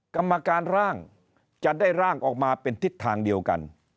กรรมการร่างจะได้ร่างออกมาเป็นทิศทางเดียวกัน